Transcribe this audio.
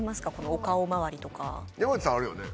お顔まわりとか山内さんあるよね？